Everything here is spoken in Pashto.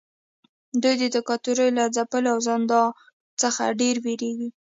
دوی د دیکتاتورۍ له ځپلو او زندان څخه ډیر ویریږي.